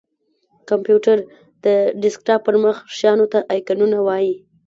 کمپېوټر:د ډیسکټاپ پر مخ شېانو ته آیکنونه وایې!